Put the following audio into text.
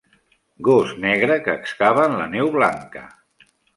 Gos negre que excava en la neu blanca.